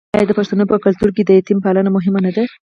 آیا د پښتنو په کلتور کې د یتیم پالنه مهمه نه ده؟